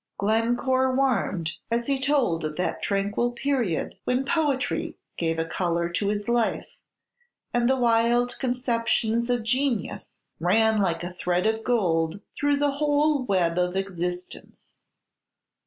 Glencore warmed as he told of that tranquil period when poetry gave a color to his life, and the wild conceptions of genius ran like a thread of gold through the whole web of existence.